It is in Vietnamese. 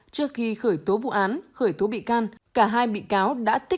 trước khi khởi tố vụ án khởi tố bị can cả hai bị cáo đã tích